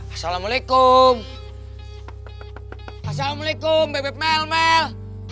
assalamualaikum bebep mel mel